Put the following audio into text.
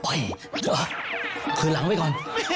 เหรอคืนหลังไว้ก่อน